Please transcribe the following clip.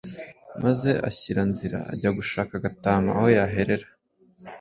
maze ashyira nzira ajya gushaka Gatama aho yaherera.